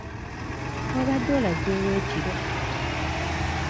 Wabadde olaze wa ekiro?